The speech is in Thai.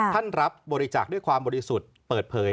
รับบริจาคด้วยความบริสุทธิ์เปิดเผย